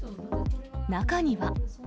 中には。